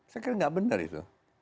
saya kira nggak benar itu